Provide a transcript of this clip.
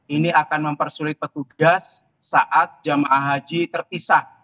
ini akan mempersulit petugas saat jemaah haji terpisah